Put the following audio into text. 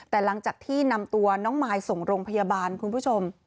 แต่หลังจากที่นำตัวน้องมายส่งโรงพยาบาลคุณผู้ชม